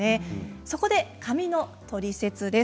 そこで髪のトリセツです。